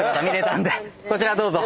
こちらどうぞ。